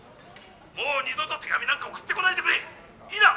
もう二度と手紙なんか送ってこないでくれいいな！